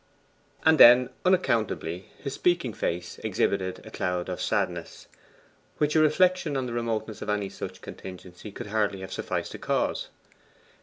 And then, unaccountably, his speaking face exhibited a cloud of sadness, which a reflection on the remoteness of any such contingency could hardly have sufficed to cause.